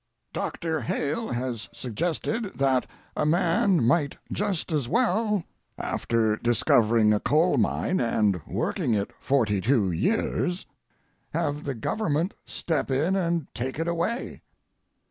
Doctor Hale has suggested that a man might just as well, after discovering a coal mine and working it forty two years, have the Government step in and take it away.